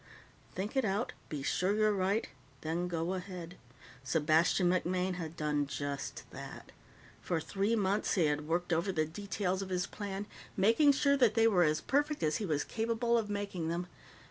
Think it out, be sure you're right, then go ahead. Sebastian MacMaine had done just that. For three months, he had worked over the details of his plan, making sure that they were as perfect as he was capable of making them.